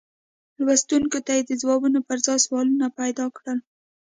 لوستونکو ته یې د ځوابونو پر ځای سوالونه پیدا کړل.